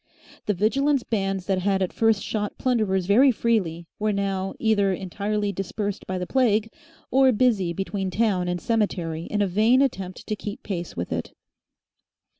The Vigilance bands that had at first shot plunderers very freely were now either entirely dispersed by the plague, or busy between town and cemetery in a vain attempt to keep pace with it.